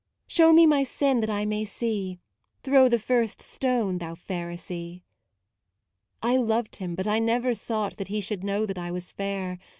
Show me my sin that I may see: Throw the first stone, thou Pharisee. I loved him, but I never sought That he should know that I was fair.